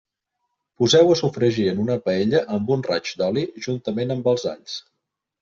Poseu-ho a sofregir en una paella amb un raig d'oli, juntament amb els alls.